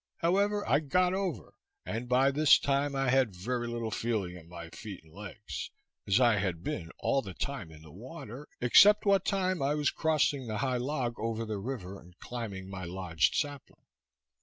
However, I got over, and by this time I had very little feeling in my feet and legs, as I had been all the time in the water, except what time I was crossing the high log over the river, and climbing my lodged sapling.